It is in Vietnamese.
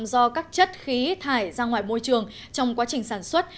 do các chất khí thải ra ngoài môi trường trong quá trình sản xuất